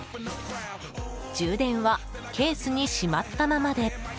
充電はケースにしまったままで！